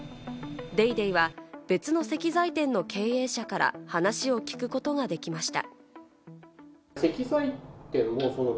『ＤａｙＤａｙ．』は別の石材店の経営者から話を聞くことができました。